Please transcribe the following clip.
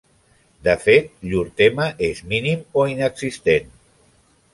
De fet, llur tema és mínim, o inexistent.